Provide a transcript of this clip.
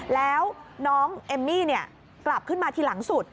แล้วน้องเอมมี่กลับขึ้นมาทีหลังสุด